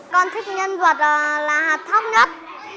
con thích nhân vật là hạt thóc nhất